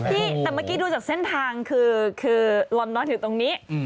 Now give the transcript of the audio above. แต่เมื่อกี้ดูจากเส้นทางคือลมน้อยถึงตรงนี้